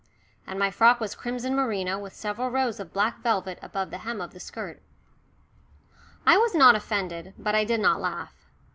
And my frock was crimson merino with several rows of black velvet above the hem of the skirt. I was not offended. But I did not laugh.